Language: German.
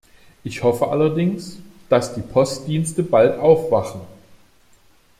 Ich hoffe allerdings, dass die Postdienste bald aufwachen.